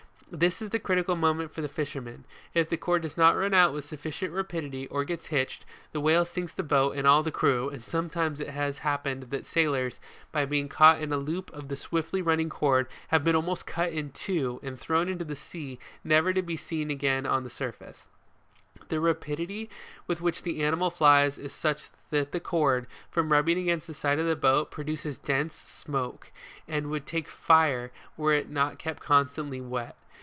This is the critical moment for the fishermen. If the cord does not run out with sufficient rapidity, or gets hitched, the whale sinks the boat and all the crew, and sometimes it has happened that sailors, by being caught in a loop of the swiftly running cord, have been almost cut in two and thrown into the sea never to be seen again on its surface. The rapidity with which the animal flies is such that the cord, from rubbing against the side of the boat, produces dense smoke, and would take fire were it not kept constantly wet.